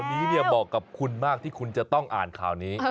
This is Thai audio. วันนี้บอกกับคุณมากที่คุณจะต้องอ่านข่าวนี้